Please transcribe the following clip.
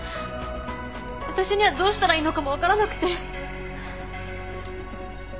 私にはどうしたらいいのかも分からなくて。